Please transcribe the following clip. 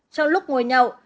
trong lúc ngồi nhậu